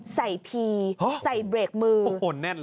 ใส่พีใส่เบรกมือ